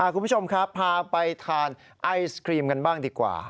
คุณผู้ชมครับพาไปทานไอศครีมกันบ้างดีกว่า